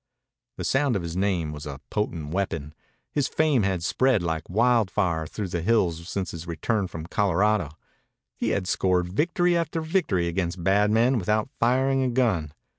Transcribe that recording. The sound of his name was a potent weapon. His fame had spread like wildfire through the hills since his return from Colorado. He had scored victory after victory against bad men without firing a gun.